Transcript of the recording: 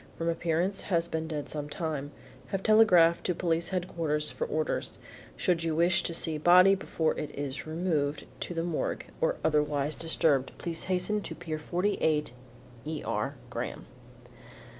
From appearance has been dead some time. Have telegraphed to Police Headquarters for orders. Should you wish to see the body before it is removed to the Morgue or otherwise disturbed, please hasten to Pier 48 E. R. GRAHAM.